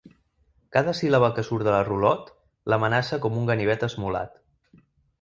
Cada síl·laba que surt de la rulot l'amenaça com un ganivet esmolat.